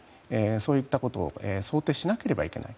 そういったことを想定しなければいけない